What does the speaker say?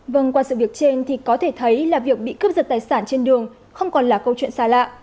vâng qua sự việc trên thì có thể thấy là việc bị cướp giật tài sản trên đường không còn là câu chuyện xa lạ